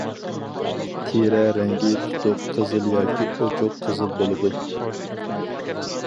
تېرە رەڭگى تۇتۇق قىزىل ياكى ئوچۇق قىزىل بولىدۇ.